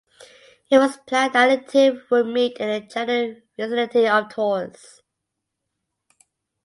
It was planned that the two would meet in the general vicinity of Tours.